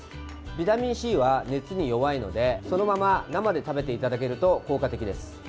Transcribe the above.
ビタミンＣは熱に弱いのでそのまま生で食べていただけると効果的です。